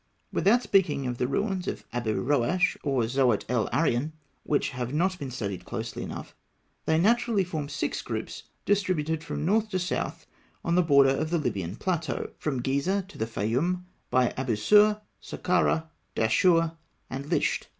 Without speaking of the ruins of Abû Roash or Zowyet el Aryan, which have not been studied closely enough, they naturally form six groups, distributed from north to south on the border of the Libyan plateau, from Gizeh to the Fayûm, by Abûsîr, Sakkarah, Dahshûr, and Lisht.